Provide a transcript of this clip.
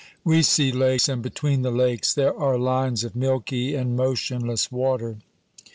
We see lakes, and between the lakes there are lines of milky and motionless water.